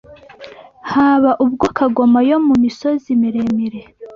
Haba ubwo kagoma yo mu misozi miremire